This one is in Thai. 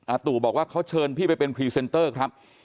ตู่บอกว่าเขาเชิญพี่ไปเป็นพรีเซนเตอร์ครับ